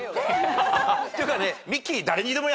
ていうかね。